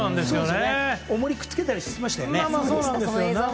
おもりをくっつけたりしてましたよね。